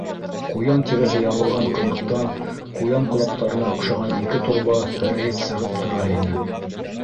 Ҡуян тиреһе ябылған ҡыйыҡтан ҡуян ҡолаҡтарына оҡшаған ике торба һерәйеп сығып тора ине.